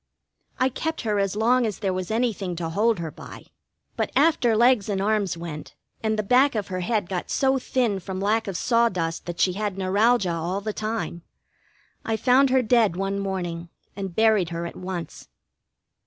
I kept her as long as there was anything to hold her by; but after legs and arms went, and the back of her head got so thin from lack of sawdust that she had neuralgia all the time, I found her dead one morning, and buried her at once.